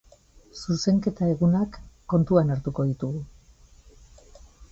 Zuzenketa egunak kontuan hartuko ditugu.